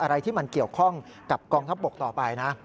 อะไรที่มันเกี่ยวข้องกับกองทัพบกต่อไปนะ